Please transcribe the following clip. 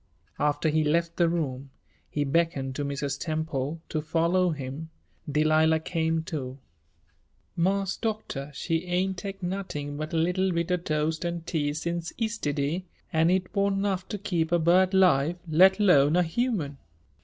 After he left the room, he beckoned to Mrs. Temple to follow him. Delilah came, too. "Marse Doctor, she ain' tech nuttin' but a leetle bit o' toast an' tea since yistiddy, an' it wan' 'nough to keep a bird 'live, let 'lone a human."